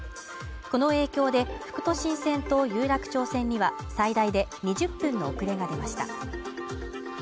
この影響で、副都心線と有楽町線には最大で２０分の遅れが出ました。